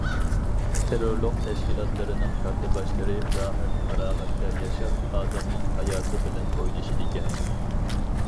تېررورلۇق تەشكىلاتلىرىنىڭ كاتتىباشلىرى راھەت- پاراغەتتە ياشاپ، ئادەمنىڭ ھاياتى بىلەن ئوينىشىدىكەن.